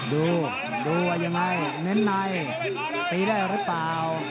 ดูดูว่ายังไงเน้นในตีได้หรือเปล่า